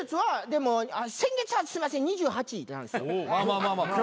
先月はすいません２８なんですよ。